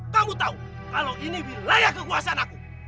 kau tahu kalau ini wilayah kekuasaan aku